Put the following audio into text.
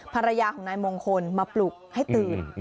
ภรรยาของนายมงคลมาปลุกให้ตื่น